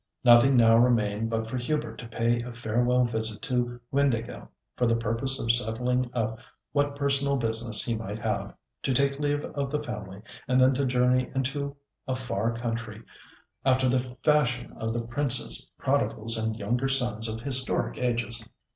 Nothing now remained but for Hubert to pay a farewell visit to Windāhgil, for the purpose of settling up what personal business he might have, to take leave of the family, and then to journey into a far country after the fashion of the princes, prodigals, and younger sons of historic ages.